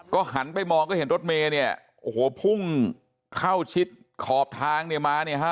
หันไปมองก็เห็นรถเมย์เนี่ยโอ้โหพุ่งเข้าชิดขอบทางเนี่ยมาเนี่ยฮะ